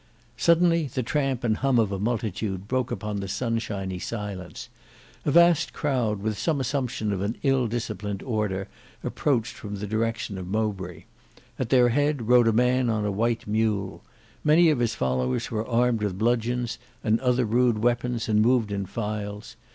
Suddenly the tramp and hum of a multitude broke upon the sunshiny silence. A vast crowd with some assumption of an ill disciplined order approached from the direction of Mowbray. At their head rode a man on a white mule. Many of his followers were armed with bludgeons and other rude weapons, and moved in files.